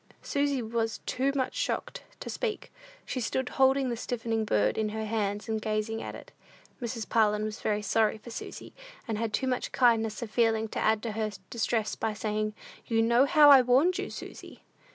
Susy was too much shocked to speak. She stood holding the stiffening bird in her hands, and gazing at it. Mrs. Parlin was very sorry for Susy, and had too much kindness of feeling to add to her distress by saying, "You know how I warned you, Susy."